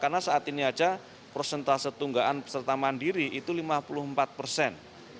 karena saat ini saja prosentase tunggaan peserta mandiri itu lima puluh empat persen